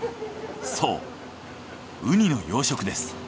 そうウニの養殖です。